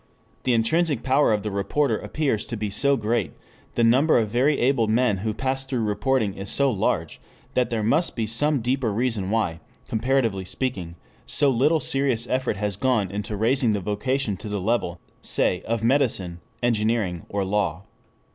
The intrinsic power of the reporter appears to be so great, the number of very able men who pass through reporting is so large, that there must be some deeper reason why, comparatively speaking, so little serious effort has gone into raising the vocation to the level say of medicine, engineering, or law.